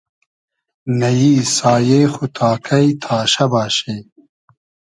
نئیی سایې خو تا کݷ تاشۂ باشی